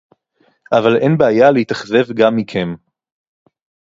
אבל אין בעיה להתאכזב גם מכם